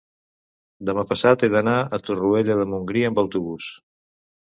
demà passat he d'anar a Torroella de Montgrí amb autobús.